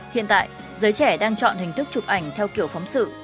hiện tại giới trẻ đang chọn hình thức chụp ảnh theo kiểu phóng sự